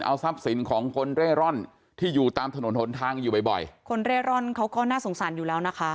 เอาทรัพย์สินของคนเร่ร่อนที่อยู่ตามถนนหนทางอยู่บ่อยบ่อยคนเร่ร่อนเขาก็น่าสงสารอยู่แล้วนะคะ